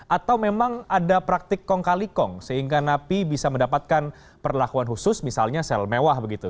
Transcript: atau memang ada praktik kong kali kong sehingga napi bisa mendapatkan perlakuan khusus misalnya sel mewah begitu